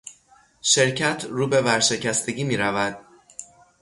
شرکت رو به ورشکستگی میرود.